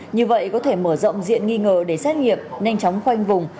như vậy có thể mở rộng diện nghi ngờ để xét nghiệm nhanh chóng khoanh vùng